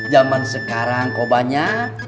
zaman sekarang kok banyak